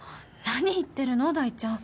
何言ってるの大ちゃん